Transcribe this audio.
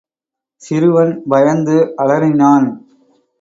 சிறுவன் பயந்து அலறினான்.